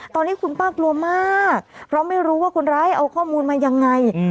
ตอนนี้คุณป้ากลัวมากเพราะไม่รู้ว่าคนร้ายเอาข้อมูลมายังไง